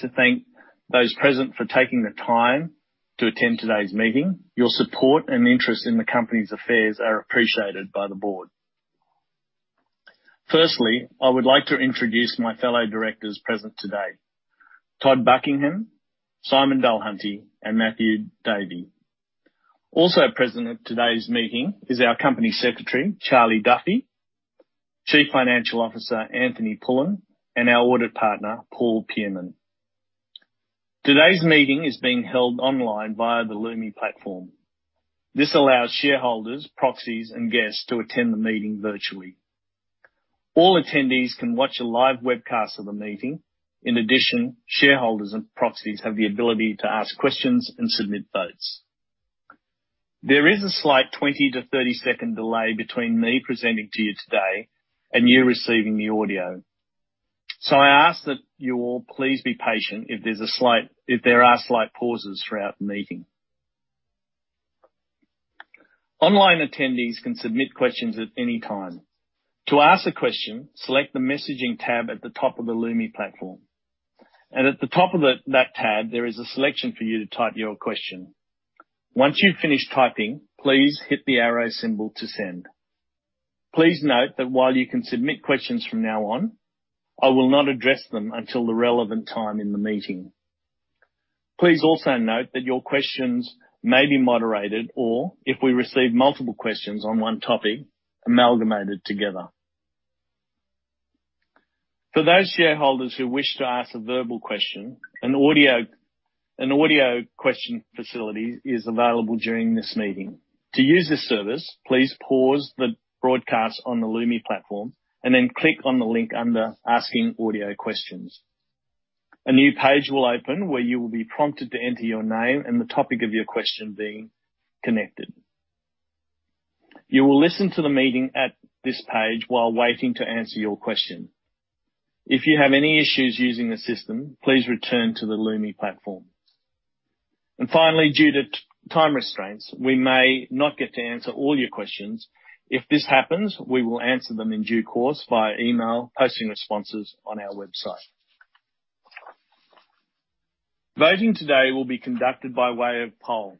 To thank those present for taking the time to attend today's meeting. Your support and interest in the company's affairs are appreciated by the board. Firstly, I would like to introduce my fellow directors present today. Todd Buckingham, Simon Delahunty, and Matthew Davey. Also present at today's meeting is our company secretary, Charly Duffy, CFO, Anthony Pullin, and our Audit Partner, Paul Pearman. Today's meeting is being held online via the Lumi platform. This allows shareholders, proxies, and guests to attend the meeting virtually. All attendees can watch a live webcast of the meeting. In addition, shareholders and proxies have the ability to ask questions and submit votes. There is a slight 20-30 second delay between me presenting to you today and you receiving the audio. I ask that you all please be patient if there are slight pauses throughout the meeting. Online attendees can submit questions at any time. To ask a question, select the Messaging tab at the top of the Lumi platform, and at the top of that tab, there is a selection for you to type your question. Once you've finished typing, please hit the arrow symbol to send. Please note that while you can submit questions from now on, I will not address them until the relevant time in the meeting. Please also note that your questions may be moderated, or if we receive multiple questions on one topic, amalgamated together. For those shareholders who wish to ask a verbal question, an audio question facility is available during this meeting. To use this service, please pause the broadcast on the Lumi platform and then click on the link under Asking Audio Questions. A new page will open where you will be prompted to enter your name and the topic of your question being connected. You will listen to the meeting at this page while waiting to answer your question. If you have any issues using the system, please return to the Lumi platform. Finally, due to time restraints, we may not get to answer all your questions. If this happens, we will answer them in due course via email, posting responses on our website. Voting today will be conducted by way of poll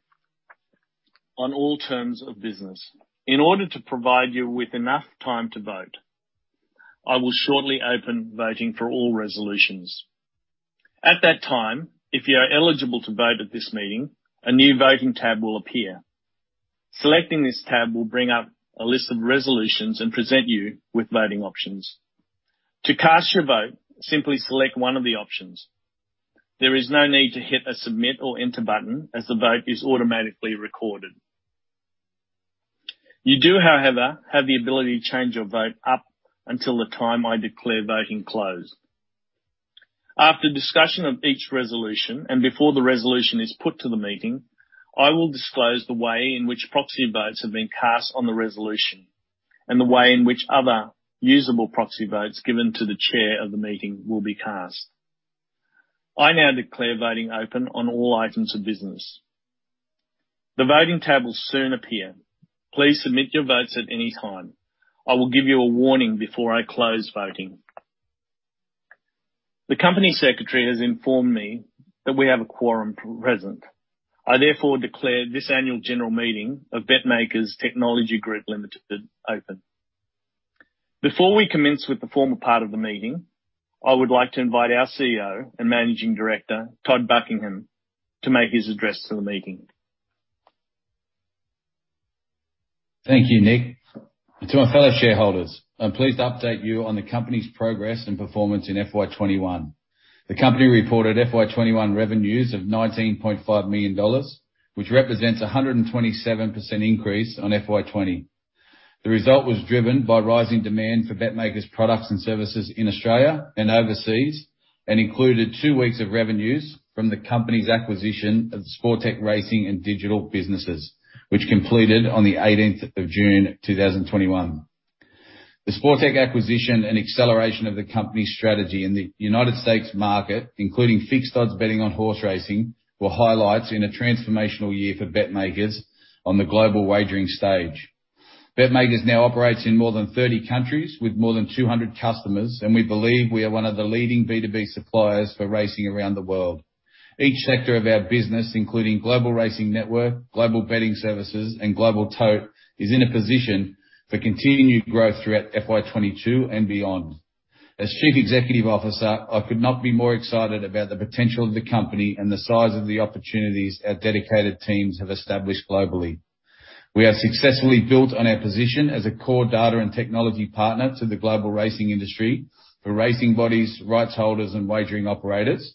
on all terms of business. In order to provide you with enough time to vote, I will shortly open voting for all resolutions. At that time, if you are eligible to vote at this meeting, a new voting tab will appear. Selecting this tab will bring up a list of resolutions and present you with voting options. To cast your vote, simply select one of the options. There is no need to hit a submit or enter button as the vote is automatically recorded. You do, however, have the ability to change your vote up until the time I declare voting closed. After discussion of each resolution and before the resolution is put to the meeting, I will disclose the way in which proxy votes have been cast on the resolution and the way in which other usable proxy votes given to the chair of the meeting will be cast. I now declare voting open on all items of business. The voting tab will soon appear. Please submit your votes at any time. I will give you a warning before I close voting. The Company Secretary has informed me that we have a quorum present. I therefore declare this annual general meeting of BetMakers Technology Group Ltd open. Before we commence with the formal part of the meeting, I would like to invite our CEO and Managing Director, Todd Buckingham, to make his address to the meeting. Thank you, Nick. To my fellow shareholders, I'm pleased to update you on the company's progress and performance in FY 2021. The company reported FY 2021 revenues of 19.5 million dollars, which represents a 127% increase on FY 2020. The result was driven by rising demand for BetMakers products and services in Australia and overseas, and included two weeks of revenues from the company's acquisition of Sportech racing and digital businesses, which completed on the eighteenth of June, 2021. The Sportech acquisition and acceleration of the company's strategy in the U.S. market, including fixed odds betting on horse racing, were highlights in a transformational year for BetMakers on the global wagering stage. BetMakers now operates in more than 30 countries with more than 200 customers, and we believe we are one of the leading B2B suppliers for racing around the world. Each sector of our business, including Global Racing Network, Global Betting Services, and Global Tote, is in a position for continued growth throughout FY 2022 and beyond. As Chief Executive Officer, I could not be more excited about the potential of the company and the size of the opportunities our dedicated teams have established globally. We have successfully built on our position as a core data and technology partner to the global racing industry for racing bodies, rights holders, and wagering operators,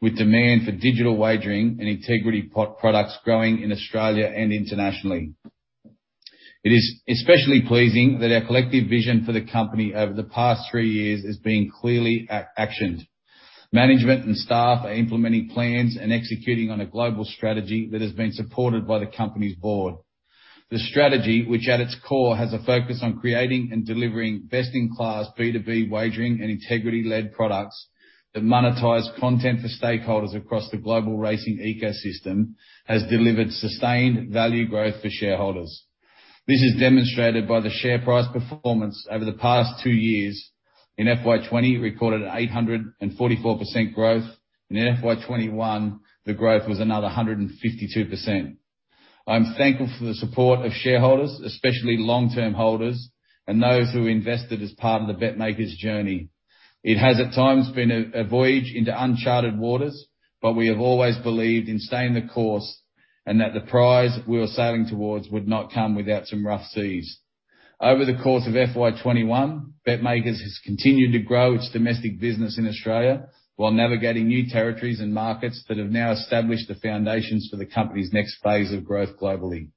with demand for digital wagering and integrity products growing in Australia and internationally. It is especially pleasing that our collective vision for the company over the past three years is being clearly actioned. Management and staff are implementing plans and executing on a global strategy that has been supported by the company's board. The strategy, which at its core has a focus on creating and delivering best-in-class B2B wagering and integrity-led products that monetize content for stakeholders across the global racing ecosystem, has delivered sustained value growth for shareholders. This is demonstrated by the share price performance over the past two years. In FY 2020, we recorded 844% growth. In FY 2021, the growth was another 152%. I'm thankful for the support of shareholders, especially long-term holders and those who invested as part of the BetMakers journey. It has at times been a voyage into uncharted waters, but we have always believed in staying the course and that the prize we were sailing towards would not come without some rough seas. Over the course of FY 2021, BetMakers has continued to grow its domestic business in Australia while navigating new territories and markets that have now established the foundations for the company's next phase of growth globally.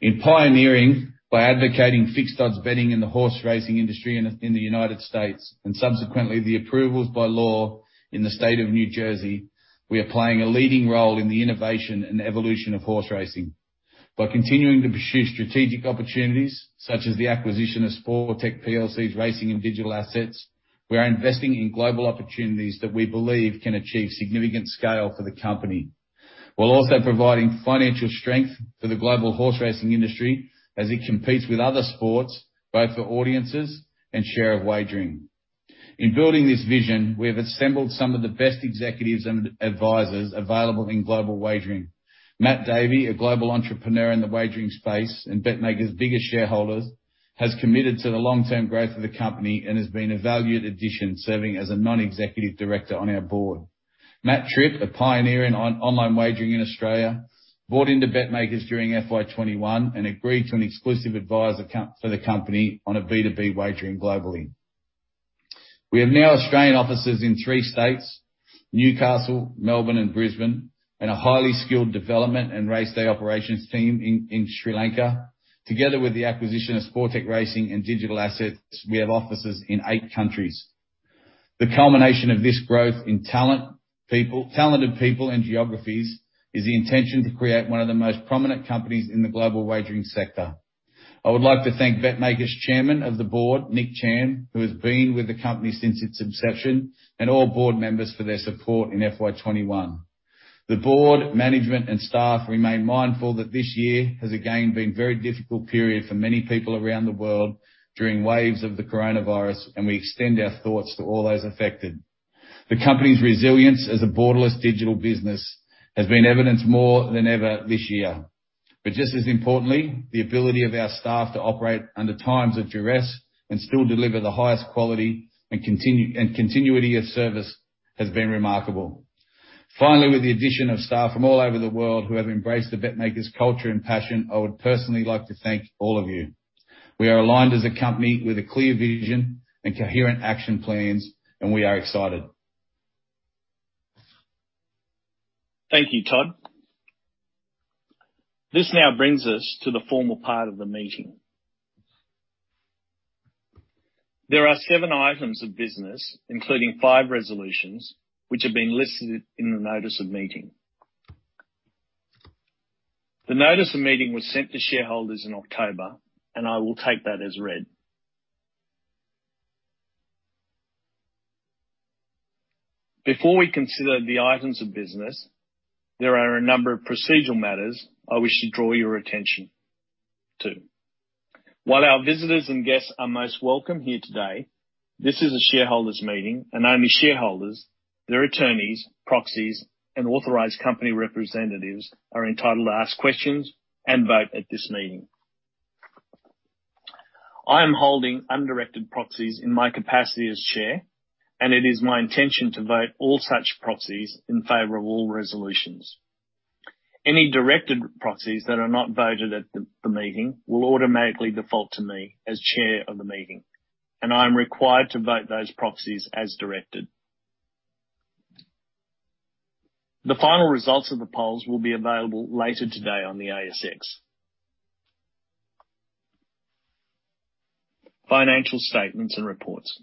In pioneering by advocating fixed odds betting in the horse racing industry in the United States and subsequently the approvals by law in the state of New Jersey, we are playing a leading role in the innovation and evolution of horse racing. By continuing to pursue strategic opportunities such as the acquisition of Sportech PLC's racing and digital assets, we are investing in global opportunities that we believe can achieve significant scale for the company, while also providing financial strength to the global horse racing industry as it competes with other sports, both for audiences and share of wagering. In building this vision, we have assembled some of the best executives and advisors available in global wagering. Matthew Davey, a global entrepreneur in the wagering space and BetMakers' biggest shareholder, has committed to the long-term growth of the company and has been a valued addition, serving as a Non-Executive Director on our board. Matthew Tripp, a pioneer in online wagering in Australia, bought into BetMakers during FY 2021 and agreed to an exclusive advisory contract for the company on a B2B wagering globally. We now have Australian offices in three states, Newcastle, Melbourne, and Brisbane, and a highly skilled development and race day operations team in Sri Lanka. Together with the acquisition of Sportech racing and digital assets, we have offices in eight countries. The culmination of this growth in talented people and geographies is the intention to create one of the most prominent companies in the global wagering sector. I would like to thank BetMakers Chairman of the Board, Nick Chan, who has been with the company since its inception, and all board members for their support in FY 2021. The board, management, and staff remain mindful that this year has again been very difficult period for many people around the world during waves of the coronavirus, and we extend our thoughts to all those affected. The company's resilience as a borderless digital business has been evidenced more than ever this year. Just as importantly, the ability of our staff to operate under times of duress and still deliver the highest quality and continuity of service has been remarkable. Finally, with the addition of staff from all over the world who have embraced the BetMakers culture and passion, I would personally like to thank all of you. We are aligned as a company with a clear vision and coherent action plans, and we are excited. Thank you, Todd. This now brings us to the formal part of the meeting. There are seven items of business, including five resolutions which have been listed in the notice of meeting. The notice of meeting was sent to shareholders in October, and I will take that as read. Before we consider the items of business, there are a number of procedural matters I wish to draw your attention to. While our visitors and guests are most welcome here today, this is a shareholders' meeting and only shareholders, their attorneys, proxies, and authorized company representatives are entitled to ask questions and vote at this meeting. I am holding undirected proxies in my capacity as chair, and it is my intention to vote all such proxies in favor of all resolutions. Any directed proxies that are not voted at the meeting will automatically default to me as chair of the meeting, and I am required to vote those proxies as directed. The final results of the polls will be available later today on the ASX. Financial statements and reports.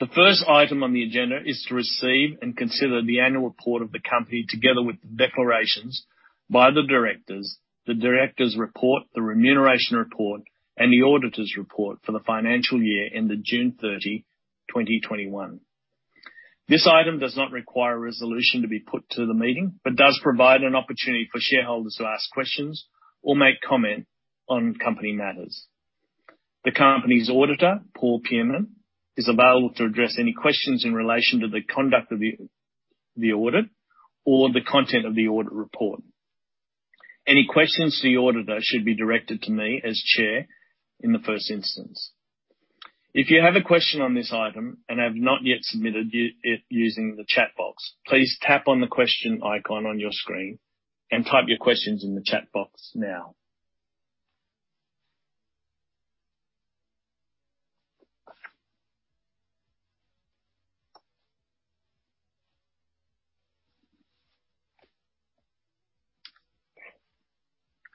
The first item on the agenda is to receive and consider the annual report of the company, together with the declarations by the directors, the directors' report, the remuneration report, and the auditor's report for the financial year ended June 30, 2021. This item does not require a resolution to be put to the meeting, but does provide an opportunity for shareholders to ask questions or make comment on company matters. The company's auditor, Paul Pearman, is available to address any questions in relation to the conduct of the audit or the content of the audit report. Any questions to the auditor should be directed to me as chair in the first instance. If you have a question on this item and have not yet submitted it using the chat box, please tap on the question icon on your screen and type your questions in the chat box now.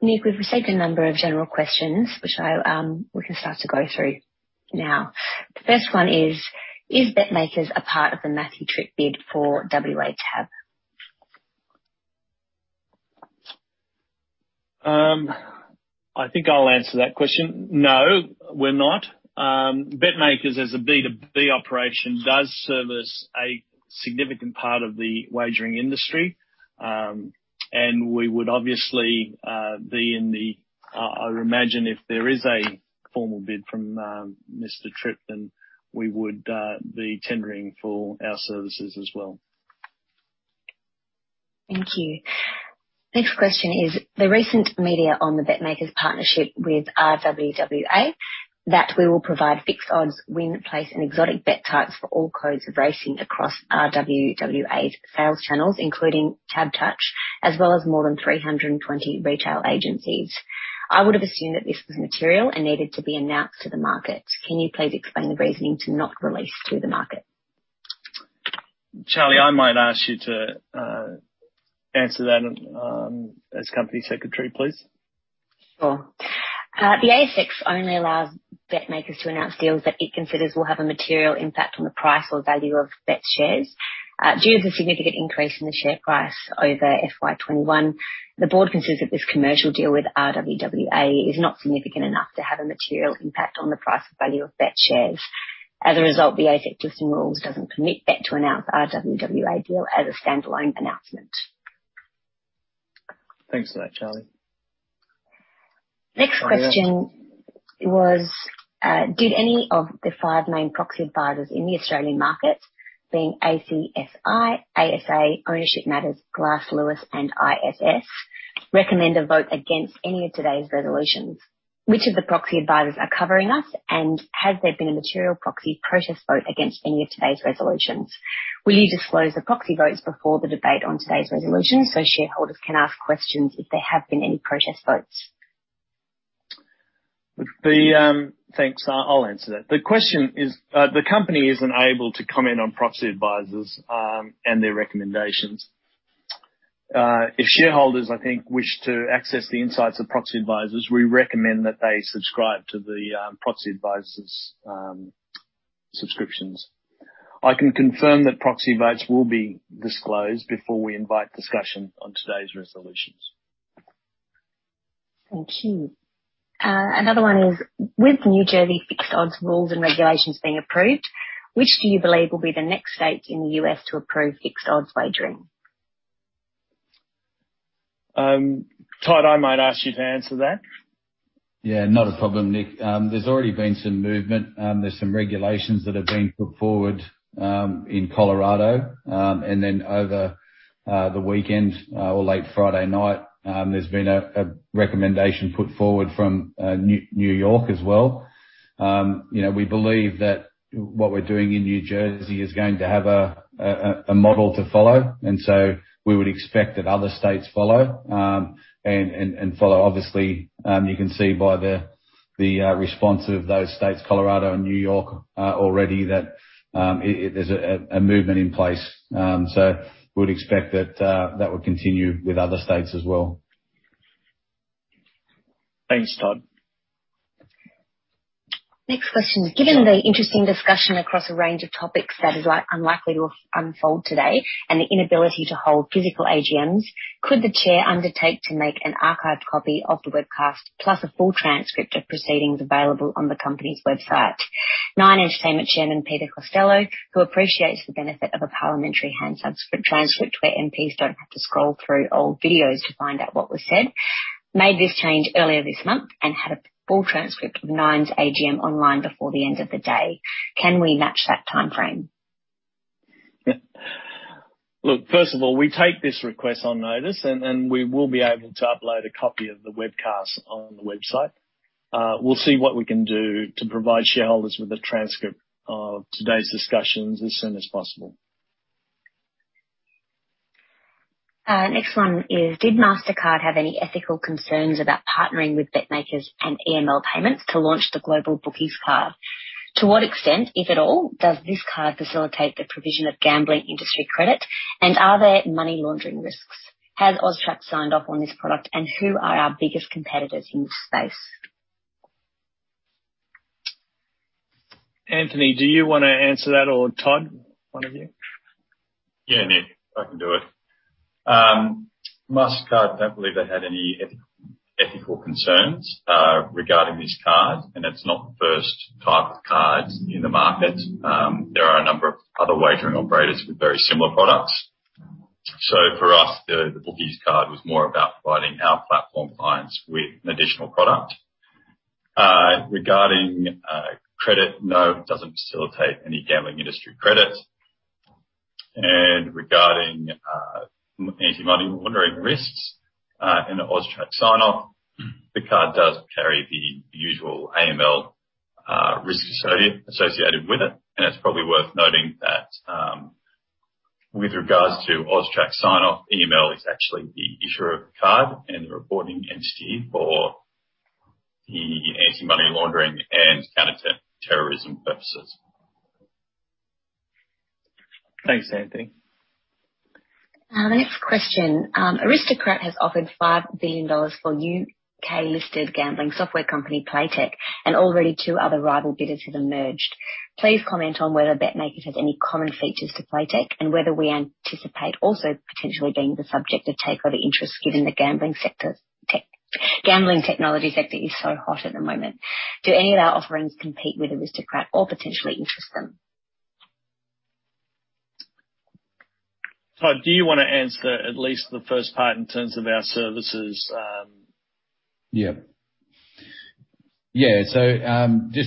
Nick, we've received a number of general questions which we can start to go through now. The first one is. Is BetMakers a part of the Matthew Tripp bid for WA TAB? I think I'll answer that question. No, we're not. BetMakers as a B2B operation does service a significant part of the wagering industry. We would obviously be in the, I would imagine, if there is a formal bid from Mr. Tripp, then we would be tendering for our services as well. Thank you. Next question is: The recent media on the BetMakers partnership with RWWA, that we will provide fixed odds, win place, and exotic bet types for all codes of racing across RWWA's sales channels, including Tabtouch, as well as more than 320 retail agencies. I would have assumed that this was material and needed to be announced to the market. Can you please explain the reasoning to not release to the market? Charly, I might ask you to answer that as Company Secretary, please. Sure. The ASX only allows BetMakers to announce deals that it considers will have a material impact on the price or value of BET shares. Due to the significant increase in the share price over FY 2021, the board considers that this commercial deal with RWWA is not significant enough to have a material impact on the price or value of BET shares. As a result, the ASX listing rules doesn't permit BET to announce the RWWA deal as a standalone announcement. Thanks for that, Charly. Next question was, did any of the five main proxy advisors in the Australian market, being ACSI, ASA, Ownership Matters, Glass Lewis, and ISS, recommend a vote against any of today's resolutions? Which of the proxy advisors are covering us? Has there been a material proxy protest vote against any of today's resolutions? Will you disclose the proxy votes before the debate on today's resolution, so shareholders can ask questions if there have been any protest votes? Thanks. I'll answer that. The question is, the company isn't able to comment on proxy advisors and their recommendations. If shareholders, I think, wish to access the insights of proxy advisors, we recommend that they subscribe to the proxy advisors subscriptions. I can confirm that proxy votes will be disclosed before we invite discussion on today's resolutions. Thank you. Another one is: With the New Jersey fixed odds rules and regulations being approved, which do you believe will be the next states in the U.S. to approve fixed odds wagering? Todd, I might ask you to answer that. Yeah. Not a problem, Nick. There's already been some movement. There's some regulations that have been put forward in Colorado. Then over the weekend or late Friday night, there's been a recommendation put forward from New York as well. You know, we believe that what we're doing in New Jersey is going to have a model to follow. We would expect that other states follow. Obviously, you can see by the response of those states, Colorado and New York, already that there's a movement in place. We would expect that would continue with other states as well. Thanks, Todd. Next question. Sure. Given the interesting discussion across a range of topics that is unlikely to unfold today and the inability to hold physical AGMs, could the Chair undertake to make an archived copy of the webcast, plus a full transcript of proceedings available on the company's website? Nine Entertainment Chairman Peter Costello, who appreciates the benefit of a parliamentary Hansard script transcript where MPs don't have to scroll through old videos to find out what was said, made this change earlier this month and had a full transcript of Nine's AGM online before the end of the day. Can we match that timeframe? Look, first of all, we take this request on notice, and we will be able to upload a copy of the webcast on the website. We'll see what we can do to provide shareholders with a transcript of today's discussions as soon as possible. Next one is: Did Mastercard have any ethical concerns about partnering with BetMakers and EML Payments to launch the global Bookies Card? To what extent, if at all, does this card facilitate the provision of gambling industry credit? And are there money laundering risks? Has AUSTRAC signed off on this product, and who are our biggest competitors in this space? Anthony, do you wanna answer that or Todd? One of you. Yeah, Nick, I can do it. Mastercard, don't believe they had any ethical concerns regarding this card, and it's not the first type of card in the market. There are a number of other wagering operators with very similar products. For us, the Bookies Card was more about providing our platform clients with an additional product. Regarding credit, no, it doesn't facilitate any gambling industry credit. Regarding anti money laundering risks and the AUSTRAC sign-off, the card does carry the usual AML risks associated with it. It's probably worth noting that, with regards to AUSTRAC sign-off, EML is actually the issuer of the card and the reporting entity for the anti-money laundering and counter-terrorism purposes. Thanks, Anthony. The next question. Aristocrat has offered $5 billion for UK-listed gambling software company Playtech, and already two other rival bidders have emerged. Please comment on whether BetMakers has any common features to Playtech and whether we anticipate also potentially being the subject of takeover interest, given the gambling sector's gambling technology sector is so hot at the moment. Do any of our offerings compete with Aristocrat or potentially interest them? Todd, do you wanna answer at least the first part in terms of our services? Just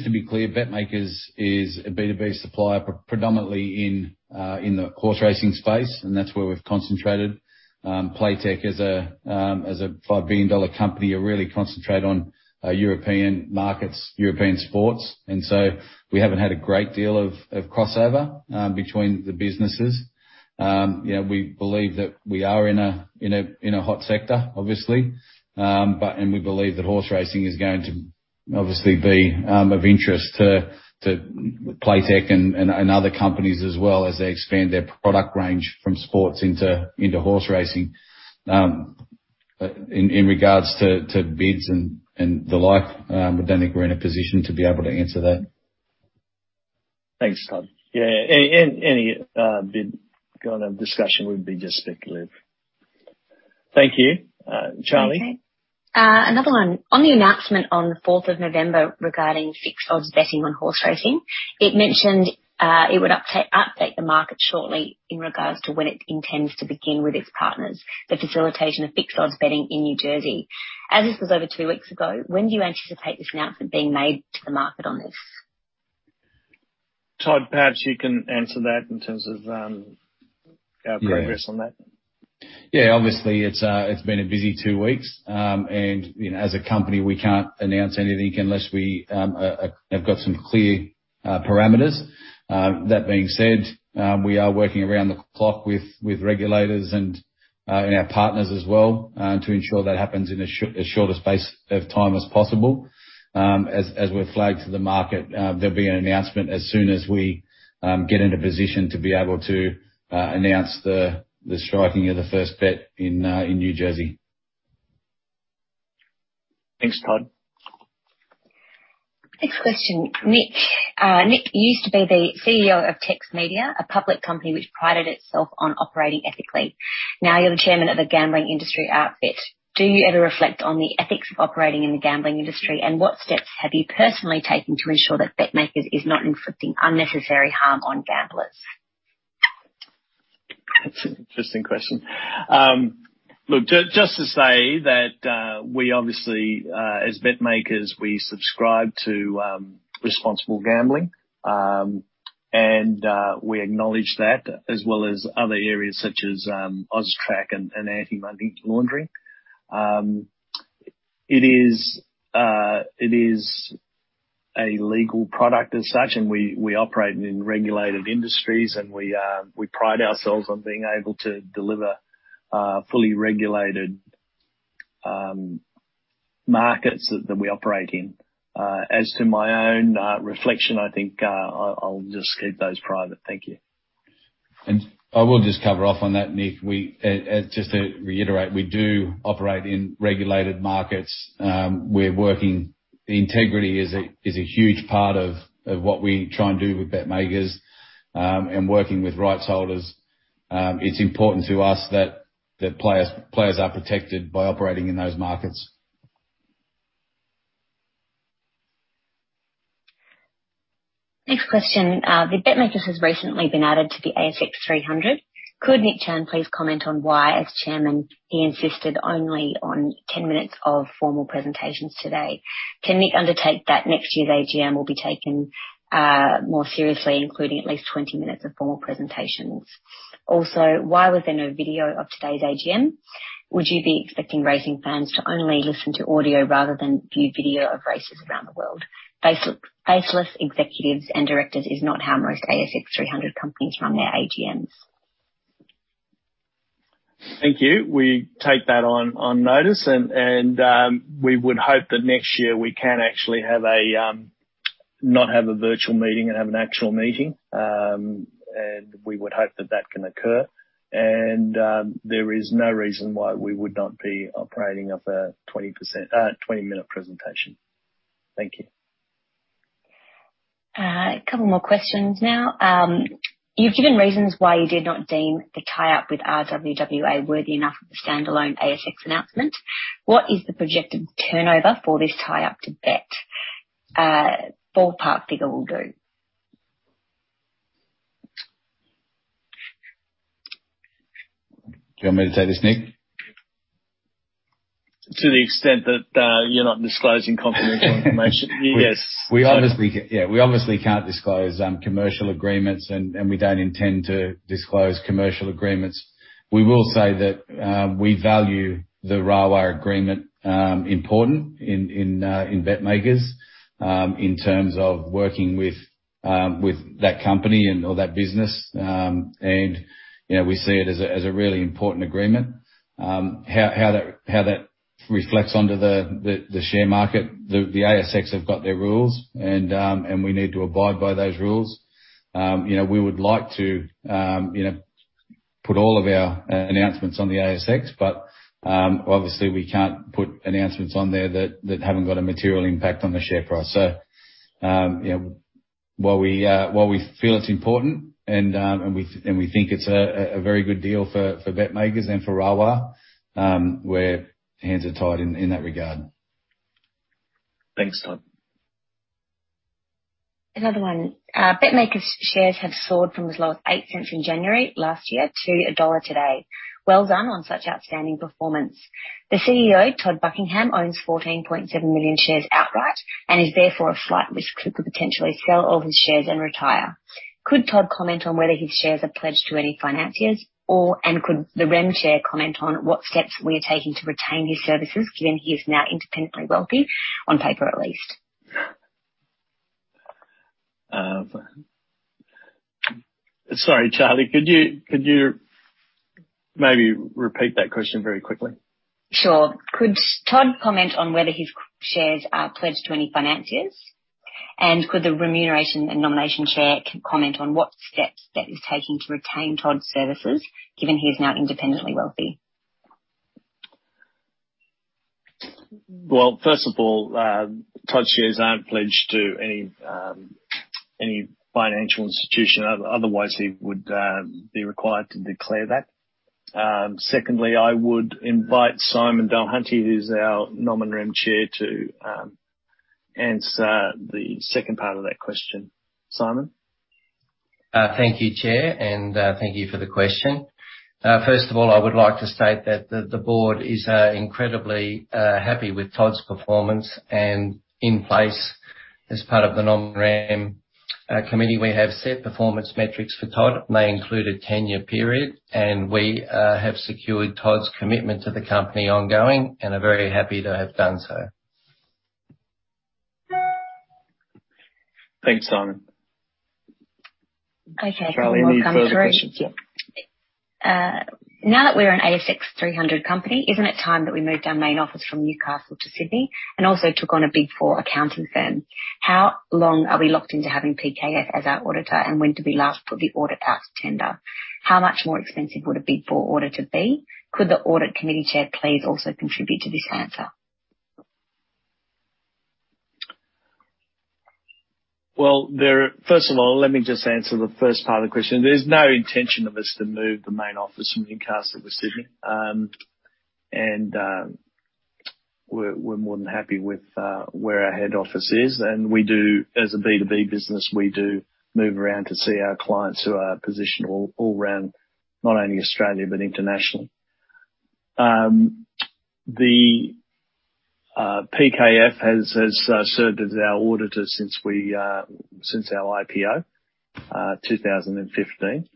to be clear, BetMakers is a B2B supplier, but predominantly in the horse racing space, and that's where we've concentrated. Playtech is a $5 billion company who really concentrate on European markets, European sports. We haven't had a great deal of crossover between the businesses. You know, we believe that we are in a hot sector, obviously. We believe that horse racing is going to obviously be of interest to Playtech and other companies as well, as they expand their product range from sports into horse racing. In regards to bids and the like, I don't think we're in a position to be able to answer that. Thanks, Todd. Yeah, any bid kind of discussion would be just speculative. Thank you. CharlY? Another one. On the announcement on the fourth of November regarding fixed odds betting on horse racing, it mentioned it would update the market shortly in regards to when it intends to begin with its partners, the facilitation of fixed odds betting in New Jersey. As this was over two weeks ago, when do you anticipate this announcement being made to the market on this? Todd, perhaps you can answer that in terms of our progress on that. Yeah. Obviously, it's been a busy two weeks. You know, as a company, we can't announce anything unless we have got some clear parameters. That being said, we are working around the clock with regulators and our partners as well to ensure that happens in as short a space of time as possible. As we've flagged to the market, there'll be an announcement as soon as we get into position to be able to announce the striking of the first bet in New Jersey. Thanks, Todd. Next question. Nick, you used to be the CEO of TXT Media, a public company which prided itself on operating ethically. Now you're the Chairman of a gambling industry outfit. Do you ever reflect on the ethics of operating in the gambling industry? What steps have you personally taken to ensure that BetMakers is not inflicting unnecessary harm on gamblers? That's an interesting question. Look, just to say that we obviously, as BetMakers, we subscribe to responsible gambling. We acknowledge that, as well as other areas such as AUSTRAC and anti-money laundering. It is a legal product as such, and we operate in regulated industries, and we pride ourselves on being able to deliver fully regulated markets that we operate in. As to my own reflection, I think I'll just keep those private. Thank you. I will just cover off on that, Nick. Just to reiterate, we do operate in regulated markets. Integrity is a huge part of what we try and do with BetMakers and working with rights holders. It's important to us that the players are protected by operating in those markets. Next question. The BetMakers has recently been added to the ASX 300. Could Nick Chan please comment on why, as chairman, he insisted only on 10 minutes of formal presentations today? Can Nick undertake that next year's AGM will be taken more seriously, including at least 20 minutes of formal presentations? Also, why was there no video of today's AGM? Would you be expecting racing fans to only listen to audio rather than view video of races around the world? Faceless executives and directors is not how most ASX 300 companies run their AGMs. Thank you. We take that on notice and we would hope that next year we can actually have not a virtual meeting and have an actual meeting. We would hope that that can occur. There is no reason why we would not be operating of a 20-minute presentation. Thank you. A couple more questions now. You've given reasons why you did not deem the tie-up with RWWA worthy enough of a standalone ASX announcement. What is the projected turnover for this tie-up to BetMakers? Ballpark figure will do. Do you want me to take this, Nick? To the extent that, you're not disclosing confidential information, yes. We obviously can't disclose commercial agreements, and we don't intend to disclose commercial agreements. We will say that we value the RWWA agreement important in BetMakers in terms of working with that company and/or that business. You know, we see it as a really important agreement. How that reflects onto the share market, the ASX have got their rules, and we need to abide by those rules. You know, we would like to put all of our announcements on the ASX, but obviously we can't put announcements on there that haven't got a material impact on the share price. You know, while we feel it's important and we think it's a very good deal for BetMakers and for RWWA, our hands are tied in that regard. Thanks, Todd. Another one. BetMakers shares have soared from as low as 0.08 in January last year to AUD 1 today. Well done on such outstanding performance. The CEO, Todd Buckingham, owns 14.7 million shares outright and is therefore a flight risk. Could he potentially sell all his shares and retire? Could Todd comment on whether his shares are pledged to any financiers or, and could the REM Chair comment on what steps we are taking to retain his services, given he is now independently wealthy, on paper at least? Sorry, Charly, could you maybe repeat that question very quickly? Sure. Could Todd comment on whether his shares are pledged to any financiers? Could the Remuneration and Nomination Chair comment on what steps that is taking to retain Todd's services, given he is now independently wealthy? Well, first of all, Todd's shares aren't pledged to any financial institution, otherwise he would be required to declare that. Secondly, I would invite Simon Dulhunty, who's our Nomination and Remuneration chair to answer the second part of that question. Simon? Thank you, Chair, and thank you for the question. First of all, I would like to state that the board is incredibly happy with Todd's performance. In place, as part of the Nom Rem committee, we have set performance metrics for Todd, and they include a ten-year period, and we have secured Todd's commitment to the company ongoing and are very happy to have done so. Thanks, Simon. Okay. Any further questions? Yeah. Now that we're an ASX 300 company, isn't it time that we moved our main office from Newcastle to Sydney and also took on a Big Four accounting firm? How long are we locked into having PKF as our auditor, and when did we last put the audit out to tender? How much more expensive would a Big Four audit be? Could the audit committee chair please also contribute to this answer? Well, first of all, let me just answer the first part of the question. There's no intention of us to move the main office from Newcastle to Sydney. We're more than happy with where our head office is, and as a B2B business, we do move around to see our clients who are positioned all around not only Australia but internationally. PKF has served as our auditor since our IPO in 2015.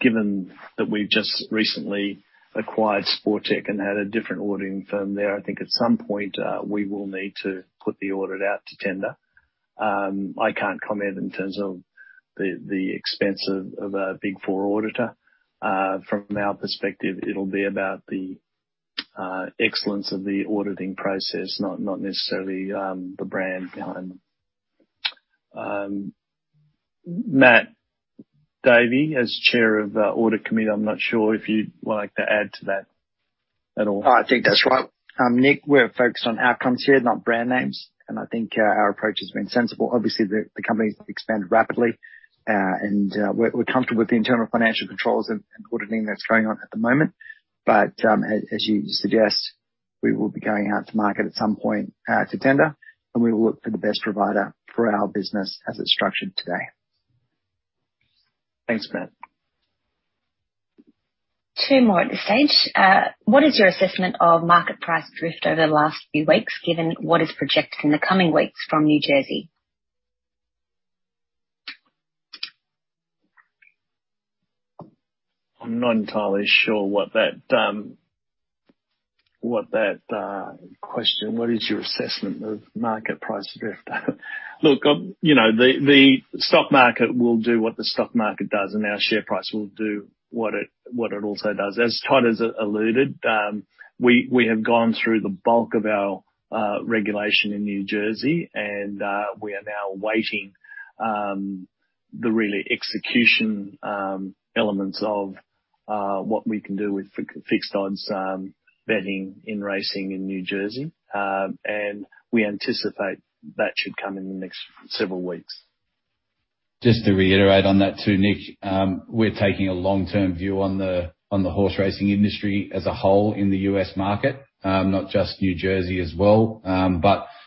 Given that we've just recently acquired Sportech and had a different auditing firm there, I think at some point we will need to put the audit out to tender. I can't comment in terms of the expense of a Big Four auditor. From our perspective, it'll be about the excellence of the auditing process, not necessarily the brand behind them. Matthew Davey, as Chair of the Audit Committee, I'm not sure if you'd like to add to that at all. I think that's right. Nick, we're focused on outcomes here, not brand names, and I think our approach has been sensible. Obviously, the company's expanded rapidly, and we're comfortable with the internal financial controls and auditing that's going on at the moment. As you suggest, we will be going out to market at some point to tender, and we will look for the best provider for our business as it's structured today. Thanks, Matt. Two more at this stage. What is your assessment of market price drift over the last few weeks, given what is projected in the coming weeks from New Jersey? What is your assessment of market price drift? Look, you know, the stock market will do what the stock market does, and our share price will do what it also does. As Todd has alluded, we have gone through the bulk of our regulation in New Jersey, and we are now awaiting the real execution elements of what we can do with fixed odds betting in racing in New Jersey. We anticipate that should come in the next several weeks. Just to reiterate on that too, Nick, we're taking a long-term view on the horse racing industry as a whole in the U.S. market, not just New Jersey as well.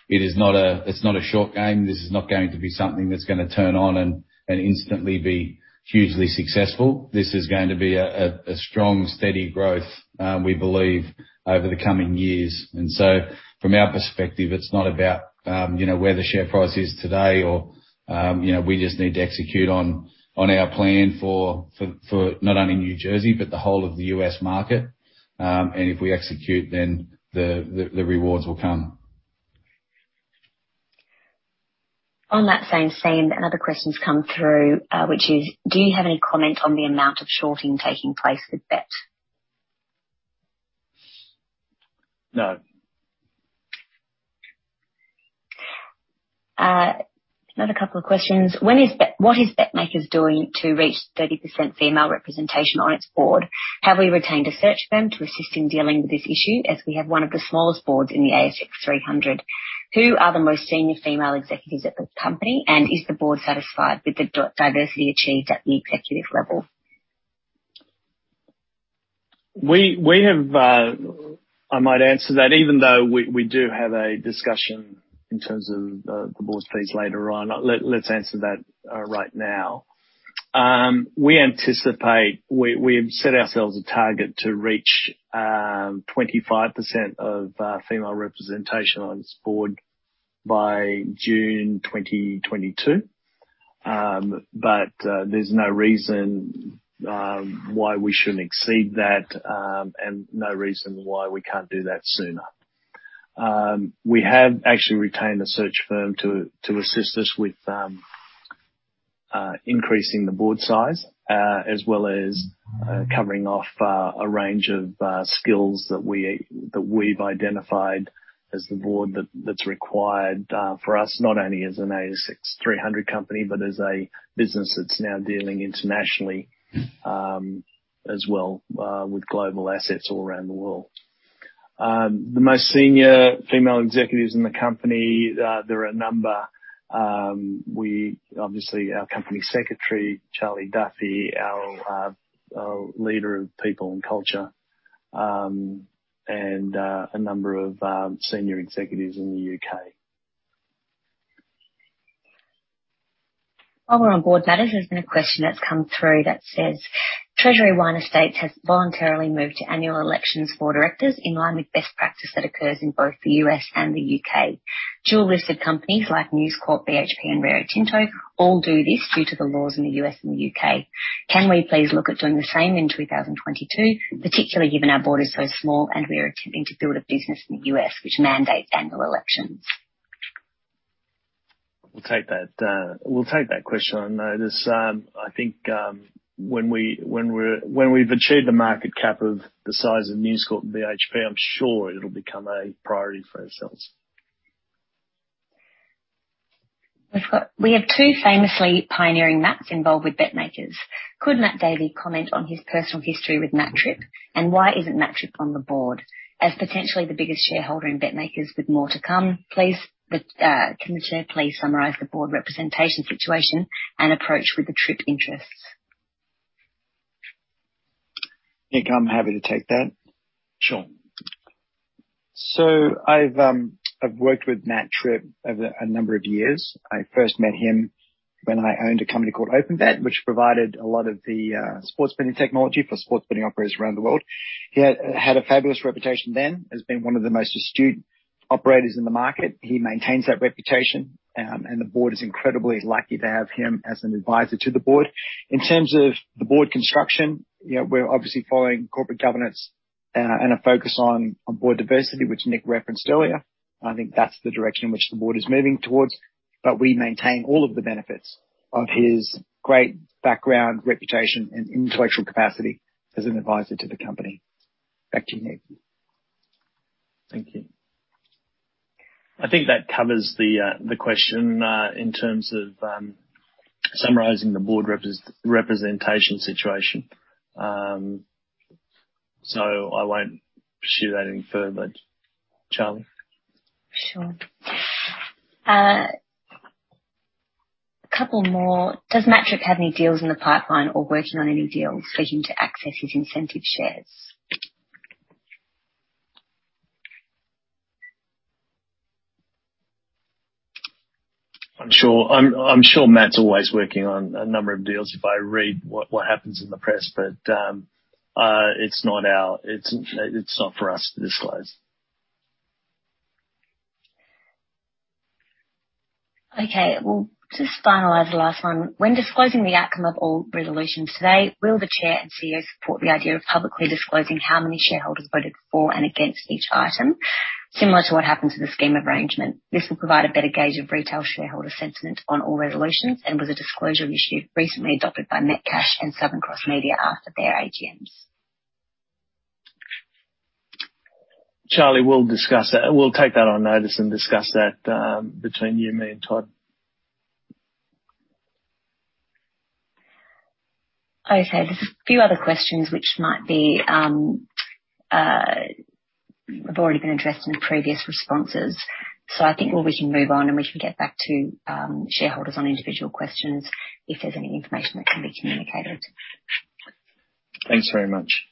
It is not a short game. This is not going to be something that's gonna turn on and instantly be hugely successful. This is going to be a strong, steady growth, we believe, over the coming years. From our perspective, it's not about, you know, where the share price is today or, you know, we just need to execute on our plan for not only New Jersey, but the whole of the U.S. market. If we execute, then the rewards will come. On that same theme, another question's come through, which is, do you have any comment on the amount of shorting taking place with Bet? No. Another couple of questions. What is BetMakers doing to reach 30% female representation on its board? Have we retained a search firm to assist in dealing with this issue, as we have one of the smallest boards in the ASX 300? Who are the most senior female executives at the company? Is the board satisfied with the diversity achieved at the executive level? I might answer that even though we do have a discussion in terms of the board's fees later on. Let's answer that right now. We anticipate we have set ourselves a target to reach 25% of female representation on this board by June 2022. There's no reason why we shouldn't exceed that and no reason why we can't do that sooner. We have actually retained a search firm to assist us with increasing the board size as well as covering off a range of skills that we've identified as the board that's required for us, not only as an ASX 300 company, but as a business that's now dealing internationally as well with global assets all around the world. The most senior female executives in the company, there are a number. Obviously, our company secretary, Charly Duffy, our leader of people and culture, and a number of senior executives in the U.K. While we're on board matters, there's been a question that's come through that says, "Treasury Wine Estates has voluntarily moved to annual elections for directors in line with best practice that occurs in both the U.S. and the U.K. Dual-listed companies like News Corp, BHP, and Rio Tinto all do this due to the laws in the U.S. and the U.K. Can we please look at doing the same in 2022, particularly given our board is so small and we are attempting to build a business in the U.S. which mandates annual elections? We'll take that question on notice. I think when we've achieved the market cap of the size of News Corp and BHP, I'm sure it'll become a priority for ourselves. We have two famously pioneering Matts involved with BetMakers. Could Matthew Davey comment on his personal history with Matthew Tripp, and why isn't Matthew Tripp on the board? As potentially the biggest shareholder in BetMakers with more to come, please, can the Chair please summarize the board representation situation and approach with the Tripp interests? Nick, I'm happy to take that. Sure. I've worked with Matthew Tripp over a number of years. I first met him when I owned a company called OpenBet, which provided a lot of the sports betting technology for sports betting operators around the world. He had a fabulous reputation then as being one of the most astute operators in the market. He maintains that reputation, and the board is incredibly lucky to have him as an advisor to the board. In terms of the board construction, you know, we're obviously following corporate governance and a focus on board diversity, which Nick referenced earlier. I think that's the direction in which the board is moving towards. We maintain all of the benefits of his great background, reputation, and intellectual capacity as an advisor to the company. Back to you, Nick. Thank you. I think that covers the question in terms of summarizing the board representation situation. I won't pursue that any further. Charly? Sure. A couple more. "Does Matthew Tripp have any deals in the pipeline or working on any deals seeking to access his incentive shares? I'm sure Matt's always working on a number of deals if I read what happens in the press. It's not for us to disclose. Okay. We'll just finalize the last one. "When disclosing the outcome of all resolutions today, will the Chair and CEO support the idea of publicly disclosing how many shareholders voted for and against each item, similar to what happened to the scheme of arrangement? This will provide a better gauge of retail shareholder sentiment on all resolutions, and was a disclosure issue recently adopted by Metcash and Southern Cross Media after their AGMs. Charly, we'll discuss that. We'll take that on notice and discuss that, between you, me, and Todd. Okay. There's a few other questions which might have already been addressed in previous responses. I think we can move on, and we can get back to shareholders on individual questions if there's any information that can be communicated. Thanks very much.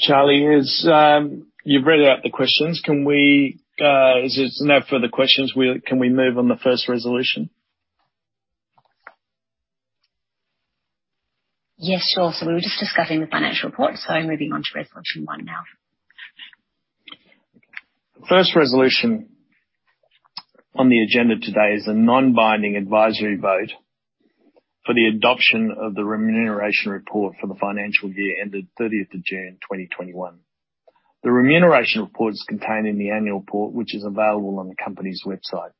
Charly, you've read out the questions. As there's no further questions, can we move on to the first resolution? Yes, sure. We were just discussing the financial report. Moving on to resolution one now. The first resolution on the agenda today is a non-binding advisory vote for the adoption of the remuneration report for the financial year ended June 30th 2021. The remuneration report is contained in the annual report, which is available on the company's website.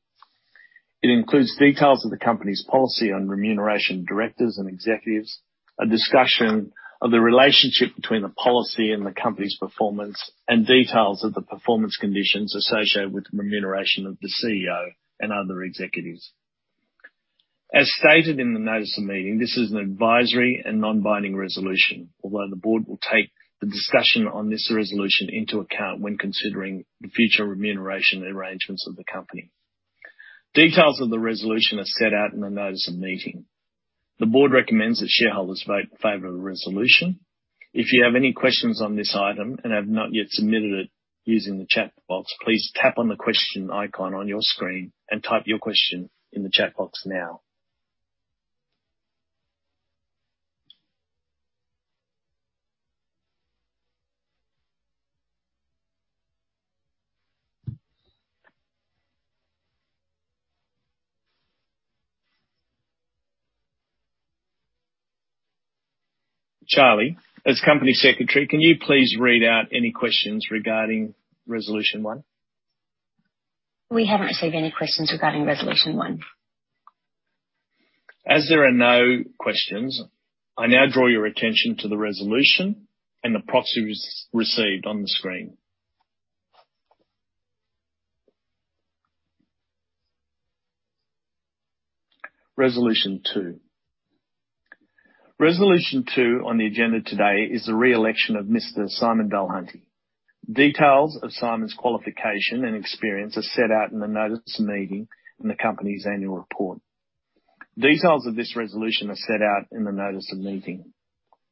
It includes details of the company's policy on remuneration of directors and executives, a discussion of the relationship between the policy and the company's performance, and details of the performance conditions associated with the remuneration of the CEO and other executives. As stated in the notice of meeting, this is an advisory and non-binding resolution, although the board will take the discussion on this resolution into account when considering the future remuneration arrangements of the company. Details of the resolution are set out in the notice of meeting. The board recommends that shareholders vote in favor of the resolution. If you have any questions on this item and have not yet submitted it using the chat box, please tap on the question icon on your screen and type your question in the chat box now. Charly, as Company Secretary, can you please read out any questions regarding Resolution one? We haven't received any questions regarding resolution one. As there are no questions, I now draw your attention to the resolution and the proxies received on the screen. Resolution two. Resolution two on the agenda today is the re-election of Mr. Simon Dulhunty. Details of Simon's qualification and experience are set out in the notice of meeting in the company's annual report. Details of this resolution are set out in the notice of meeting.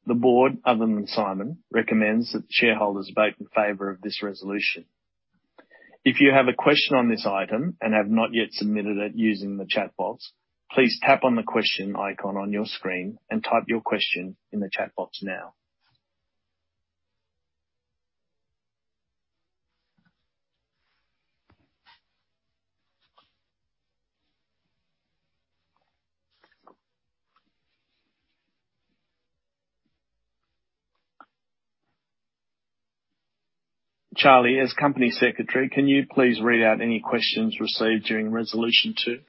The board, other than Simon, recommends that shareholders vote in favor of this resolution. If you have a question on this item and have not yet submitted it using the chat box, please tap on the question icon on your screen and type your question in the chat box now. Charly, as Company Secretary, can you please read out any questions received during resolution two?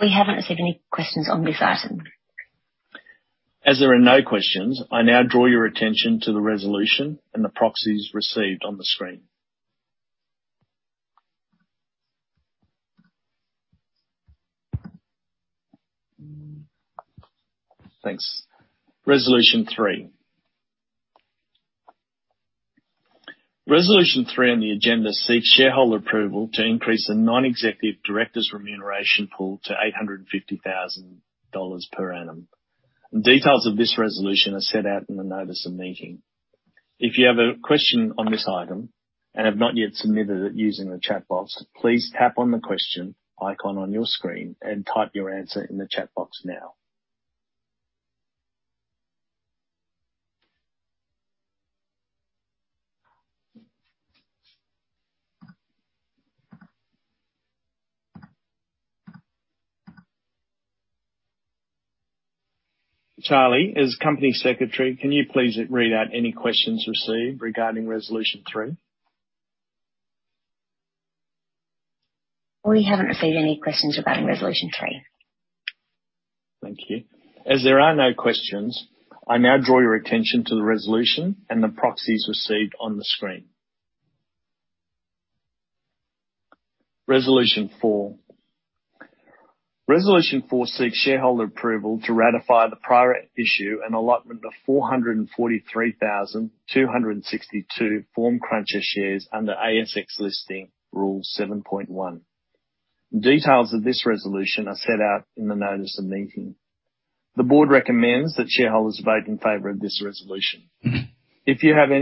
We haven't received any questions on this item. As there are no questions, I now draw your attention to the resolution and the proxies received on the screen. Thanks. Resolution three. Resolution three on the agenda seeks shareholder approval to increase the non-executive directors remuneration pool to 850,000 dollars per annum. Details of this resolution are set out in the notice of meeting. If you have a question on this item and have not yet submitted it using the chat box, please tap on the question icon on your screen and type your answer in the chat box now. Charly, as Company Secretary, can you please read out any questions received regarding Resolution three? We haven't received any questions regarding resolution three. Thank you. As there are no questions, I now draw your attention to the resolution and the proxies received on the screen. Resolution four. Resolution four seeks shareholder approval to ratify the prior issue and allotment of 443,262 FormCruncher shares under ASX Listing Rule 7.1. Details of this resolution are set out in the notice of meeting. The board recommends that shareholders vote in favor of this resolution. If you have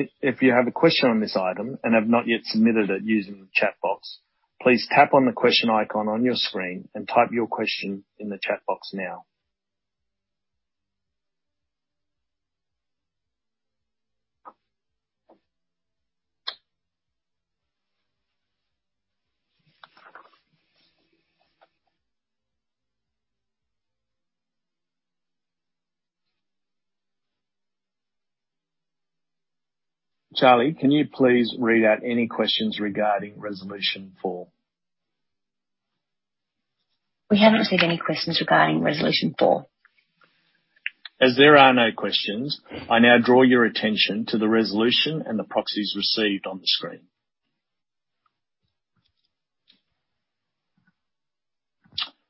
a question on this item and have not yet submitted it using the chat box, please tap on the question icon on your screen and type your question in the chat box now. Charliy, can you please read out any questions regarding resolution four? We haven't received any questions regarding resolution four. As there are no questions, I now draw your attention to the resolution and the proxies received on the screen.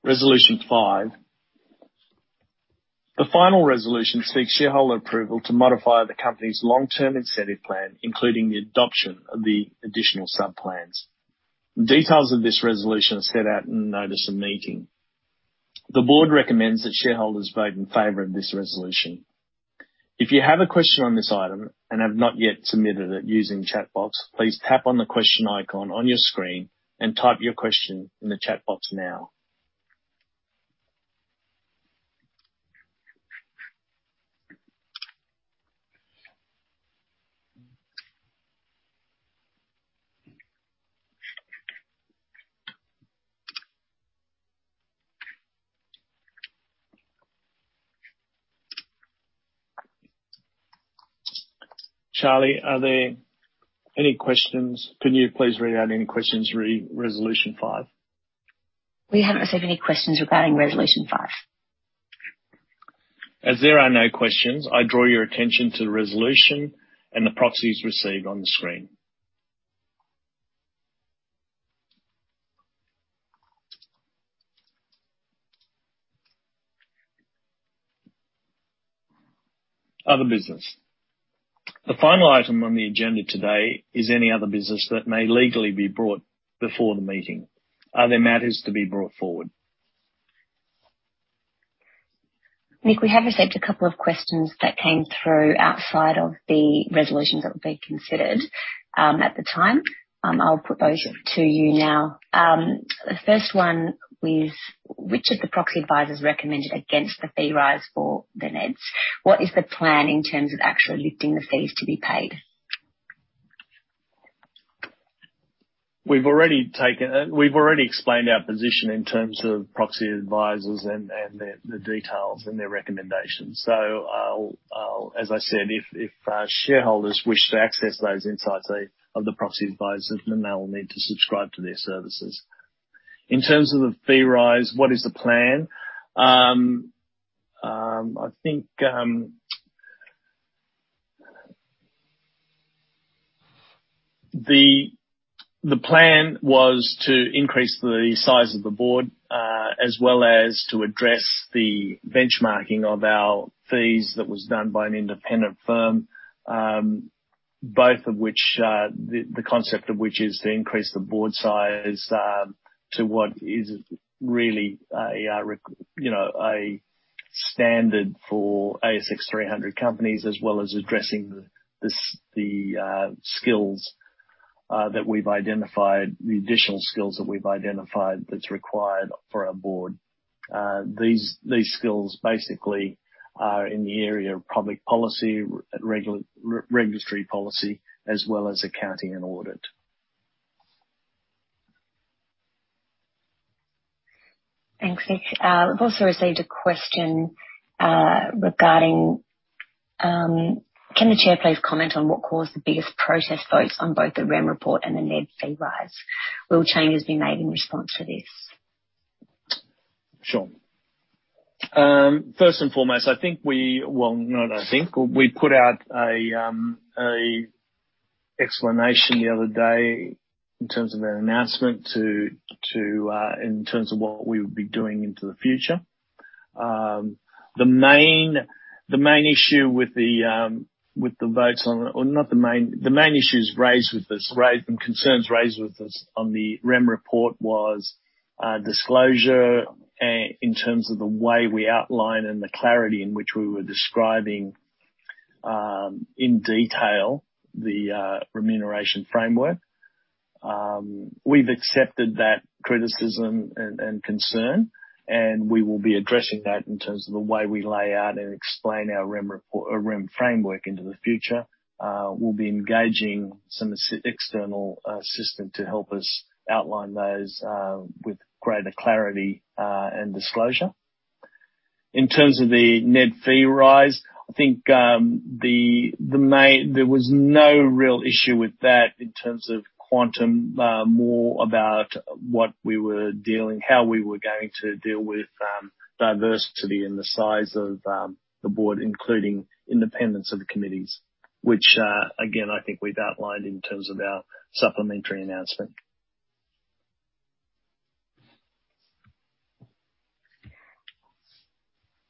Resolution five. The final resolution seeks shareholder approval to modify the company's long-term incentive plan, including the adoption of the additional subplans. Details of this resolution are set out in the notice of meeting. The board recommends that shareholders vote in favor of this resolution. If you have a question on this item and have not yet submitted it using chat box, please tap on the question icon on your screen and type your question in the chat box now. Charly, are there any questions? Can you please read out any questions re resolution five? We haven't received any questions regarding Resolution 5. As there are no questions, I draw your attention to the resolution and the proxies received on the screen. Other business. The final item on the agenda today is any other business that may legally be brought before the meeting. Are there matters to be brought forward? Nick, we have received a couple of questions that came through outside of the resolutions that will be considered, at the time. I'll put those to you now. The first one was: Which of the proxy advisors recommended against the fee rise for the NEDs? What is the plan in terms of actually lifting the fees to be paid? We've already taken it. We've already explained our position in terms of proxy advisors and the details and their recommendations. As I said, if shareholders wish to access those insights of the proxy advisors, then they'll need to subscribe to their services. In terms of the fee rise, what is the plan? I think the plan was to increase the size of the board, as well as to address the benchmarking of our fees that was done by an independent firm. Both of which the concept of which is to increase the board size to what is really a you know a standard for ASX 300 companies, as well as addressing the skills that we've identified, the additional skills that we've identified that's required for our board. These skills basically are in the area of public policy, regulatory policy, as well as accounting and audit. Thanks, Nick. We've also received a question regarding: Can the Chair please comment on what caused the biggest protest votes on both the REM report and the NED fee rise? Will changes be made in response to this? Sure. First and foremost, we put out an explanation the other day in terms of an announcement to in terms of what we would be doing into the future. The main issues raised and concerns raised with us on the REM report was disclosure in terms of the way we outline and the clarity in which we were describing in detail the remuneration framework. We've accepted that criticism and concern, and we will be addressing that in terms of the way we lay out and explain our REM framework into the future. We'll be engaging some external assistant to help us outline those with greater clarity and disclosure. In terms of the NED fee rise, I think there was no real issue with that in terms of quantum, more about what we were dealing with, how we were going to deal with diversity and the size of the board, including independence of the committees, which again, I think we've outlined in terms of our supplementary announcement.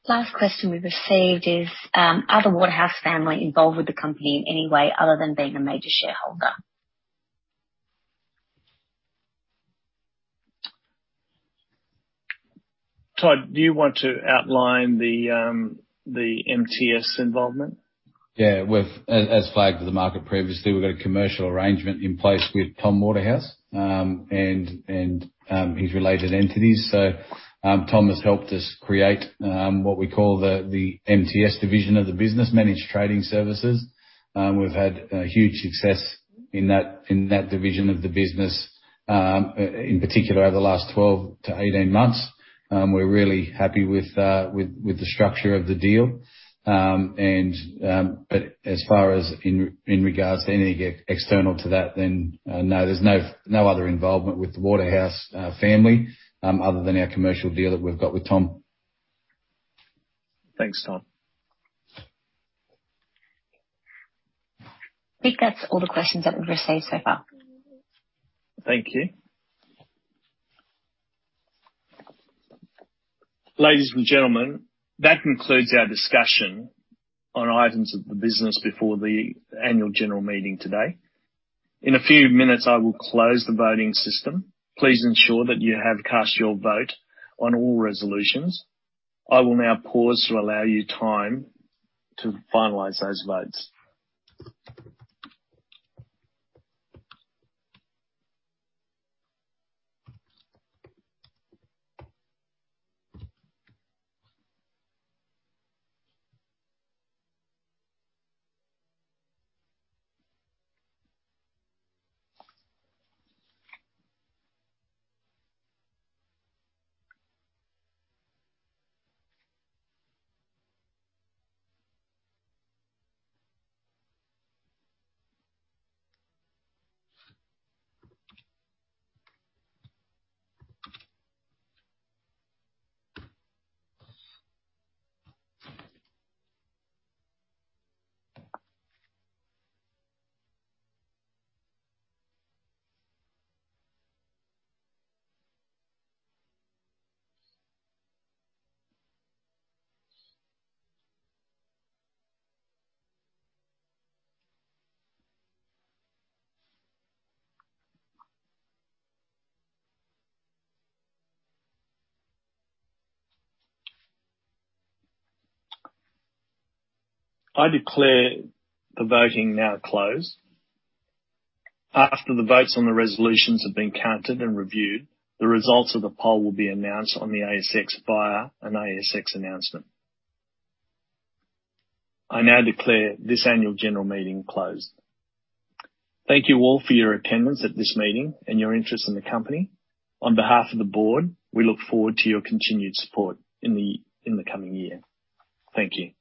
Last question we've received is: Are the Waterhouse family involved with the company in any way other than being a major shareholder? Todd, do you want to outline the MTS involvement? Yeah. We've as flagged to the market previously, we've got a commercial arrangement in place with Tom Waterhouse and his related entities. Tom has helped us create what we call the MTS division of the business, Managed Trading Services. We've had a huge success in that division of the business in particular over the last 12-18 months. We're really happy with the structure of the deal. But as far as in regards to any external to that, no, there's no other involvement with the Waterhouse family other than our commercial deal that we've got with Tom. Thanks, Todd. Nick, that's all the questions that we've received so far. Thank you. Ladies and gentlemen, that concludes our discussion on items of the business before the annual general meeting today. In a few minutes, I will close the voting system. Please ensure that you have cast your vote on all resolutions. I will now pause to allow you time to finalize those votes. I declare the voting now closed. After the votes on the resolutions have been counted and reviewed, the results of the poll will be announced on the ASX via an ASX announcement. I now declare this annual general meeting closed. Thank you all for your attendance at this meeting and your interest in the company. On behalf of the board, we look forward to your continued support in the coming year. Thank you.